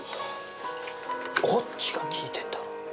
こっちが聞いてんだろ。